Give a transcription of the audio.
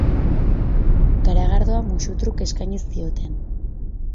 Garagardoa musu-truk eskaini zioten.